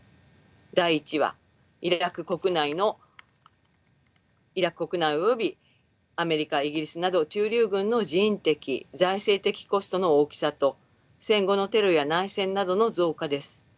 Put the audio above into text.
第１はイラク国内およびアメリカイギリスなど駐留軍の人的財政的コストの大きさと戦後のテロや内戦などの増加です。